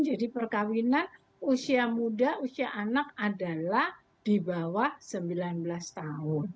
jadi perkawinan usia muda usia anak adalah di bawah sembilan belas tahun